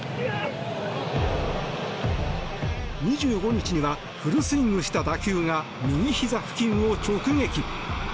２５日にはフルスイングした打球が右ひざ付近を直撃。